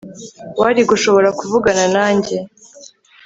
Wari gushobora kuvugana nanjye